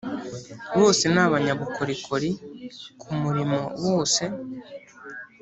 bose ni abanyabukorikori ku murimo wose